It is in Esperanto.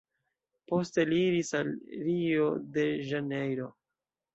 Poste li iris al Rio-de-Ĵanejro.